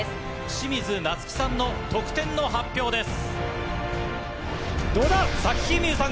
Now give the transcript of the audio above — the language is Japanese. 清水夏妃さんの得点の発表です。